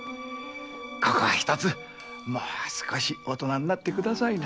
ここは一つもう少し大人になってくださいな。